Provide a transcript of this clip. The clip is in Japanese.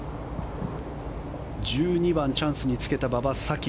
１２番、チャンスにつけた馬場咲希。